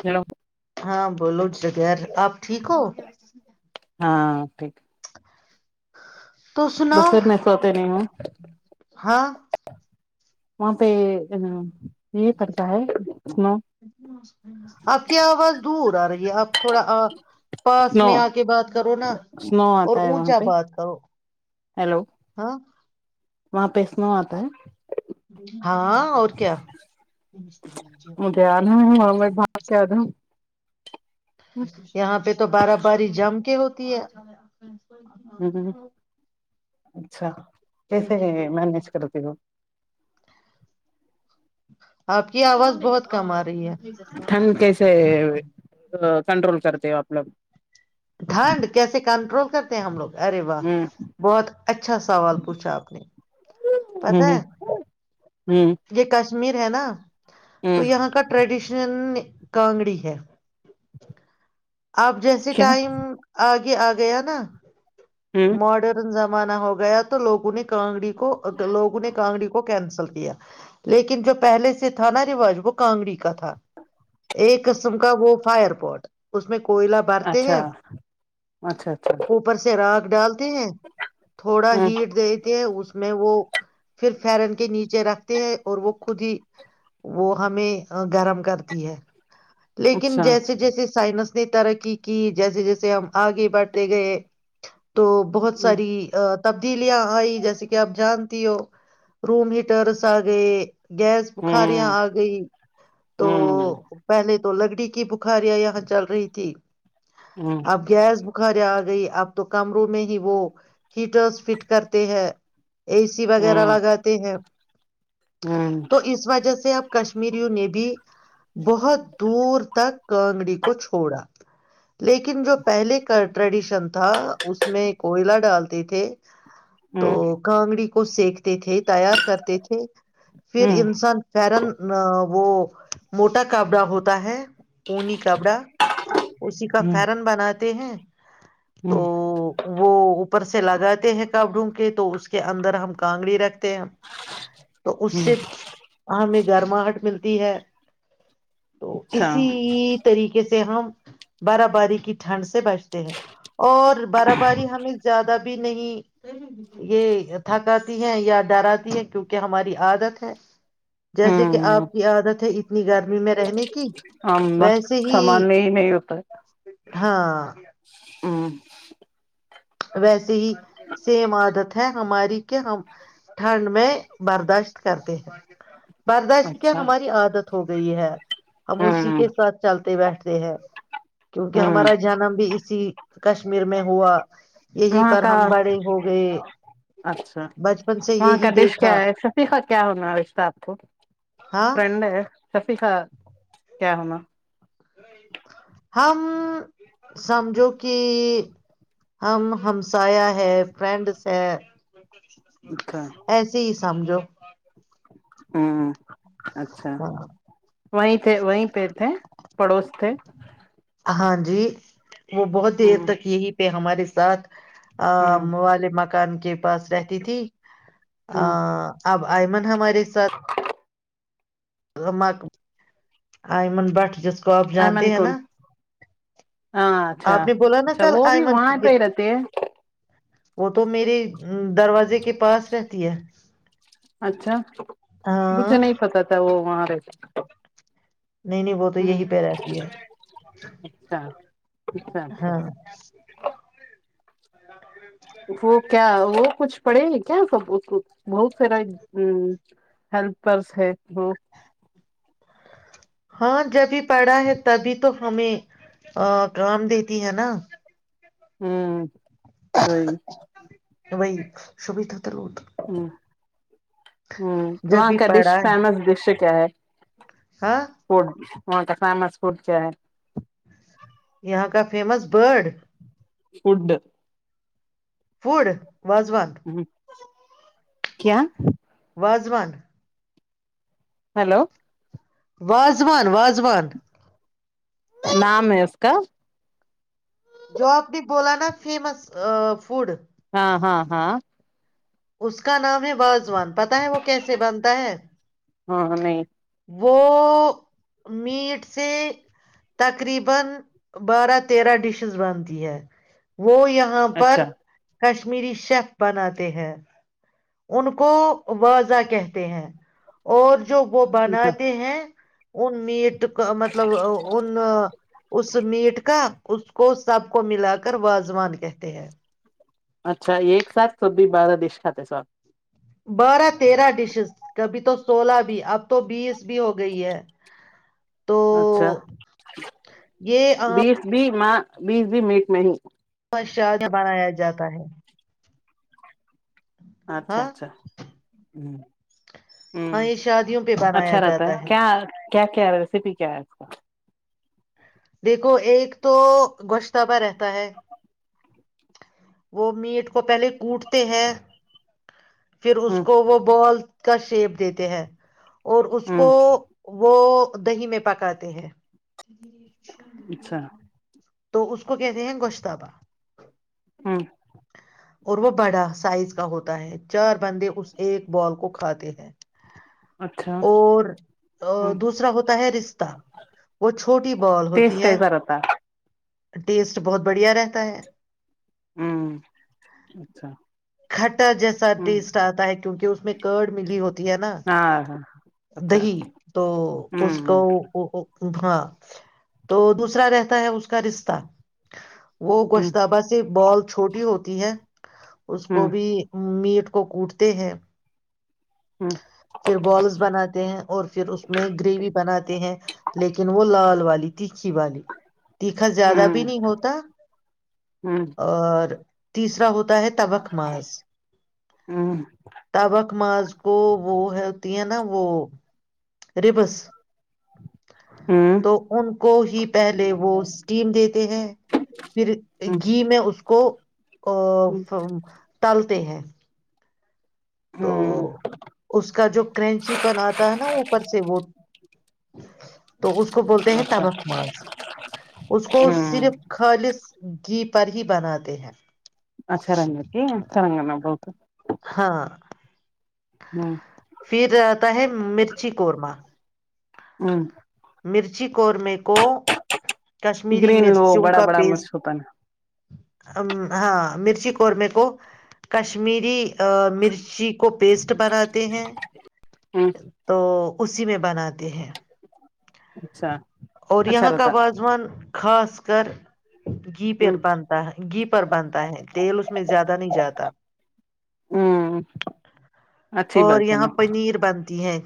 کیالو ہاں بولو جغیر آپ ٹھیک ہو ہاں اوکے تو ب سناؤ پھر نہیں سوتے نہیں میں ہاں ماں سنو آپ کی آواز دور آ رہی ہے آپ تھوڑا آ پاس سنو میں آ کے بات کرو نا سنو اور آتا ہے وہاں اونچا پہ بات کرو ہیلو ہاں وہاں پہسم آتا ہے جی ہاں اور کیا مجھے آنا ہے وہاں میں بھاگ کے آ جاؤں یہاں پہ تو بارہ بار جمپ ہوتی ہے ہوں ہ [inaudible] اچھا کیسے مینج کرتی ہوں آپ کی آواز بہت کم آ رہی ہے ٹھنڈ کیسے کنٹرول کرتے ہو اپپ ٹھنڈ کیسے کنٹرول کرتے ہیں ہم لوگ ارے واہ ہوں بہت اچھا سوال پوچھا آپ نے پتا ہوں ہے ہوں یہ کشمیر ہے نا تو ہوں یہاں کا ٹریڈیشن کانگڑی ہے آپ جیسے کیا ٹائم آگ آے آ گیا نا ہوں مارڈرن ز انا ہو گیا تو لوگوں نے کانگڑی کو لووں نے کانگڑی کو کینسر کیا لیکن جو پہلے سے تھا نا رواج وہ کانگڑی کا تھا ایک قسم کا وہ فائر پوٹ اس میں کچھ کوئلہ برتے اچھا ہیں اچھا اچھا اوپر سے رات ڈال ہیں تھوڑا ہوں ہیٹ دیتے ہیں اس اس میں وہ پھر فرن کے نیچے رکھتے ہیں اور وہ خود ہی وہ ہمیں گرم کرتی ہے لیکن اچھا جیسے جیسے سائنس ترقی کی جیسے جیسے ہم آگے بڑھتے گئے تو بہت ہوں ساری تبدیلیاں آئی جیسے کہ آپ جانتی ہو روم ہیٹرس آ گئے گیس بخاریاں ہوں آ گئی تو ہوں ہوں پہلے تو لکڑی کی بخاریاں یہاں چل رہی تھی اب گیس بخار آ گئی اب [inaudible] کمروں میں ہی وہ ہیٹرز فٹ کرتے ہیں اے سی وغیرہ ہوں لگاتے ہیں ہوں تو اس وجہ سے آپ کشمیریوں نے بھی بہت دور تک کانگڑی کو چھوڑا لیکن جو پہلے کا ٹریڈیشن تھا اس میں کوئلہ ڈالتے تھے تو ہوں کانگڑی کو سیکھتے تھے تیار کرتے تھے پھر ہوں انسان پن وہ موٹا کاپڑا ہوتا ہے اونی کپڑا اسی کا فرن بناات ہیں تو ہاں وہ اوپر سے لگاتے ہیں کپ ڈھونڈ کے تو اس کے اندر ہم کانگڑی رکھتے تو اس ہوں سے ہمیں گرماہٹ مل دی ہے تو اچھا اسی طریقے سے ہم برا باری کی ٹھنڈ سے بیٹچتے ہیں اور بارا باری ہمیں زیادہ بھی نہیں یہ تھکاتی ہے یا ڈراتی ہے کیونکہ ہماری عادت ہے جیسے کہ ہوں آپ کی عادت ہے اتنی گرمی میں رہنے کی آملہ ویسے ہی سامان میں نہیں ہوتا ہے ہاں [inaudible] ویسے صی سیمدت ہماری کے ہم ٹھنڈ میں برداشت کرتے ہیں برداشت کیا اچھا ہماری عادت ہو گئی ہے ہم اسی ہوں کے ساتھ چلتے بیٹھتے ہیں کیونکہ ہوں ہمارا جنم بھی اس اسی کشمیر میں ہوا یہی وہاں پر کا ہم بڑے ہو گئے اچھا بچپن سے وہاں کا یہی ڈش دیکھا کیا ہے شفیقہ کیا ہونا ہے رشہ آپ کو ہاں فڈ شفیقا کیا ہونا ہم سمجھو کہ ہم ہمسایا ہے فرینڈس ہے اچھا ایسے ہی سمجھو ہوں اچھا وہیں تھے وہیں پہ تھے پڑوس تھے ہاں جی وہ بہت دیر ہوں تک یہی پہ ہمارے ساتھ ا ہوں والے مکان کے پاس رہتی تھی ا ہوں اب آئمن ہمارے ساتھ ن بٹ جس کو آپ امن جانتے ہیں کن نا ہ اچھا آپ نے بولا نا اچھا کل وہ بھی آئمن وہاں کی پہ ہی رہتے ہیں وہ تو میرے دروازے کے پاس رہتی ہے اچھا مجھے ہاں نہیں پتا تھا وہ وہاں رہ ا [unintelligible] نہیں نہیں وہ تو یہی پہ رہتی ہے اچھا اچھا اچھا ہاں [inaudible] وہ کیا وہ کچھ پڑھے لکھے ہیں خد بہت سارا ہیلپرس ہے وہ ہاں جبھی پڑھا ہے تبھی تو ہمیں کام دیتی ہے نا ہوں وہی تو وہی سبھی ہوں جب وہاں بھی کا ڈش پڑا ہے فیمس ڈش کیا ہ ہاں [inaudible] فوڈ وہاں کا فیمس فوڈ سے ہے یہاں کا فیمس فوڈ فوڈ فوڑ واضوان کیا واضوان ہیلو واضوان واضوان نام ہے اس کا جو آپ نے بولا نا فیمس فوڈ ہاں ہاں ہاں اس کا نام ہےباضوان پتا ہے وہ کیسے بنتا ہے ہاں نہیں وہ میٹ سے تقریبا بارہ تیرہ ڈشز بنتی ہے وہ یہاں پر اچھا کشمیری شیف بناتے ہیں ان کو وازا کہتے ہیں اور جو وہ بناتے ہیں او میڈ مطلب ان اس میٹ کا اس کو سب کو ملا کر واازوان کہتے ہیں اچھا ایک ساتھ سب بھی بارہ ڈیش کھاتے ہیں سو بارہ تیرہ ڈشز کبھی تو سولہ بھی اب تو بیس بھی ہو گئی ہے تو اچھا یہ عام بیس بھی م بیس بھی میٹ میں ہی ش بنایا جاتا ہے اچھا ہاں اچھا ہ ہاں یہ شادیوں پہ بنایا اچھا رہتا جاتا ہے کیا کیا کیا ریسیپی کیا ہے اس کا دیکھو ایک تو گشتبہ رہتا ہے وہ میٹ کو پہلے کوٹتے ہیں پھر اس کو وہ بال کا شیپ دیتے ہیں اور اس ہ کو ہ وہ دہی میں پکاتے ہیں اچھا [inaudible] تو اس کو کہتے ہیں گوشتابا ہوں اور وہ بڑا سائز کا ہوتا ہے چار بندے اس ایک بال کو کھاتے ہیں اچھا اور ہ دوسرا ہوتا ہے رشہ وہ چھوٹی بال ٹیسٹ ہوتی ہے کیسا رہتا ٹیسٹ بہت بڑھیا رہتا ہے ہے ہ اچھا کھٹا جیسا ہ ٹیسٹ آتا ہے کیونکہ اس میں کرڑ ملی ہوتی ہے نا ہاں ہاں اچھا دہی تو ہوں اس کو ہ ہاں تو دوسرا رہتا ہے اس کا رشتہ وہ ہ گوشتابہ سے بال چھوٹی ہوتی ہے اس ہ کو ہ بھی میٹ کو کوٹتے ہیں ہ پھر بالس بناتے ہیں اور پھر اس میں گریوی بناتے ہیں لیکن وہ لال وا لی تھی اچھی والی تیکھا زیادہ بھی ہ نہیں ہوتا اور تیسر ہوتا ہے تخ مااز ہ ہ تبک مااز کو وہ ہے تی ہیں نا وہ ریبس تو ان کو ہی پہلے وہ اسٹیم دیتے ہیں پھر گھی میں اس کو ا ٹلتے ہیں تو اس کا جو کرنچی پن آتا ہے نا اوپر سے وہ تو اس کو بولتے ہیں اچھا تاوک ماز اس کو ہ صرف خالص گ پر ہی بنااتے ہیں ہاں [unintelligible] ہ پھر اتا ہے ایک مرچی قورمہ ہوں مرچی قورمے کو کشمیری گرین وہ مرچیوں بڑا کا بڑا پیسٹ مرچ ہوتا نا ہاں مرچی قورمے کو کشمیری ا مرچی کو پیسٹ بناتے ہیں ہ تو اسی میں بناتے ہیں اچھا اور اچھا یہاں کا رہتا وازوان خاص کر گھی ہ پر بانتا ہے گھی پر بانتا ہے تیل اس میں زیادہ نہیں جاتا ہ اچھی اور بات ہے نا یہاں پنیر بنتی ہے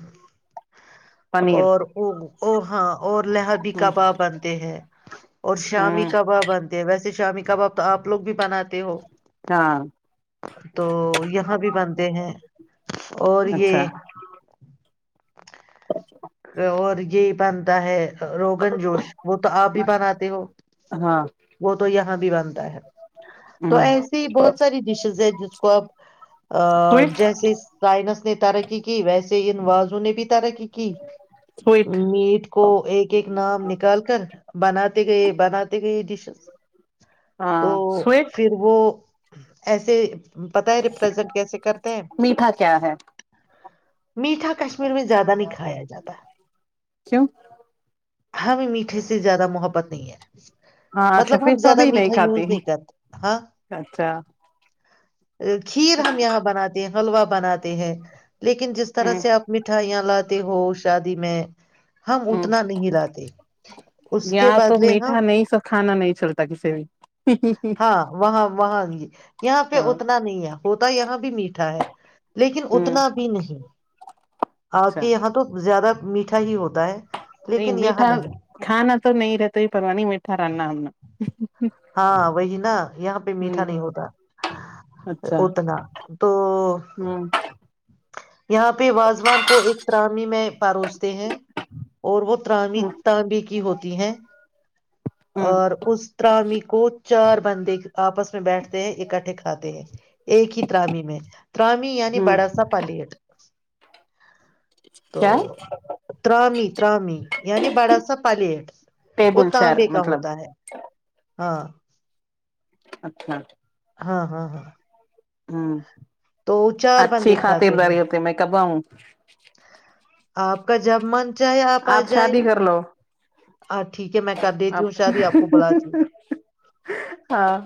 پنیر اور وہ او ہاں اور لہبی ہ کباب بنتے ہیں اور شامی ہوں کباب بنتے ہیں ویسے شامی کباب تو آپ لوگ بھی بناتے ہو ہاں تو یہاں بھی بنتے ہیں اور اچھا یہ اور یہی بانتا ہے روگن جوش وہ تو آپ بھی بناتے ہو ہاں وہ تو یہاں بھی بنتا ہے تو ہوں ایسی ہی بہت ساری ڈشیز ہے جس کو آپ سویٹ جیسے سائنس نے ترقی کی ویسے انوازوں نے بھی ترقی کی سویٹ میٹ کو ایک ایک نام نکال کر بناتے گئے بناتے گئے ڈشز تو ہاں سویٹ پھر وہ ایسے پت ہے ریپریزینٹ کیسے کرتے ہیں میٹھا کیا ہے میٹھا کشمیر میں زیادہ نہیں کھایا جاتا کیوں ہمیں میٹھے سے زیادہ محبت نہیں ہے ہاں مطلب ہم شفیفہ ھی زیادہ نہیں میٹھا کھاتی یوز نہیں کرتے ہاں اچھا کھیر ہم یہاں بناتے ہیں حلوا بناتے ہیں لیکن جس طرح ہوں سے آپ مٹھا یا لاد ہوش شادی میں ہم ہوں اتنا نہیں لاتے اس کے یہاں تو بدل ہم میٹھا نہیں سب کھانا نہیں چلتا کسی بھی ہاں وہاں وہاں ج یہاں پہ ہاں اتنا نہیں ہے ہوتا یہاں بھی میٹھا ہے لیکن ہوں اتنا بھی نہیں ہاں اچھا کہ یہاں تو میٹھا ہی ہوتا ہے نہیں لیکن یہاں میٹھا نہیں کھانا تو نہیں رہتا ہی پرو نہیں میٹھا رنا ہمنا ہاں وہی نا یہاں پہ میٹھا ہوں نہیں ہوتا اچھا اتنا تو ہوں یہاں پہ واازوان کو ایک ترامی میں پروستے ہیں اور وہ ترامی ہوں تانبے کی ہوتی ہیں ہوں اور اس طرح بھی کو چار بندے آپس میں بیٹھتے ہیں اکٹھے کھاتے ہیں ایک ہی ترامی میں ترامی یعنی ہوں بڑا سا پلیٹ تو کیا ترامی ترامی یعنی بڑا سا پلیٹ وہ ٹیبل چیر تانبے کا مطلب ہوتا ہے ہاں اچھاچ ہاں ہاں ہاں ہاں تو چار اچھی بندے کھاتے ہیں خاطرداری ہوتی میں کب آؤں [unintelligible] آپ کا جب من چاہے آ آپ شادی جائیے کر لو ہاں ٹھیک ہے میں کر دیتی ہوں شاید ہی آپ کو بلاتی ہوں ہاں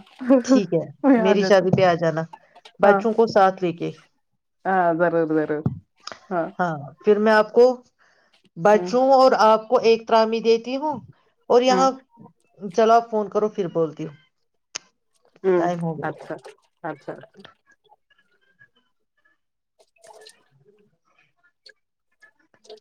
ٹھیک ہے میں آ میری جاتا شادی پہ آ جانا ہاں بچوں کو ساتھ لے کے ہاں ضرور ضرور ہاں پھر میں آپ کو ہ بچوں اور آپ کو ایکترامی د ت ہوں اور ہ یہاں چلو آپ فون کرو پھر بولتی ہو ہوں ٹائم گیا اچھاچ اچھا جی